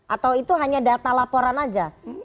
atau itu hanya data laporan saja